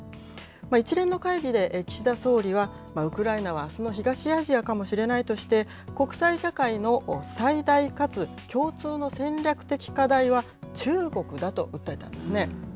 一連の会議で岸田総理は、ウクライナはあすの東アジアかもしれないとして国際社会の最大かつ共通の戦略的課題は中国だと訴えたんですね。